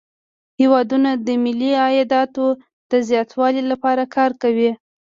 هیوادونه د ملي عایداتو د زیاتوالي لپاره کار کوي